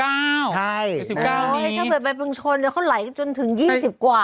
โอ้ยถ้าเห็นใบเบนกริงชนเขาไหลจนถึง๒๐กว้า